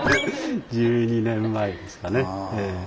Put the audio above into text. １２年前ですかね。